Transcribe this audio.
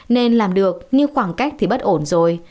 nên làm được như khoảng cách thì bất ổn rồi